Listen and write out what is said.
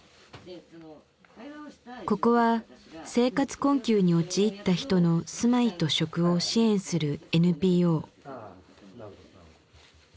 ここは生活困窮に陥った人の「住まい」と「食」を支援するＮＰＯ。